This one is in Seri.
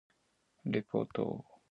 Tapca ma, ihaapl cop ipac coya.